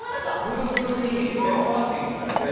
Ｇｏｏｇｌｅにヘッドハンティングされて。